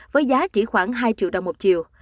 với giá chỉ khoảng hai triệu đồng một triệu